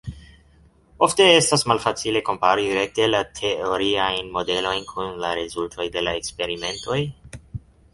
Ofte estas malfacile kompari rekte la teoriajn modelojn kun la rezultoj de la eksperimentoj.